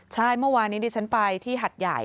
ใช่เมื่อวานนี้ดิฉันไปที่หัดใหญ่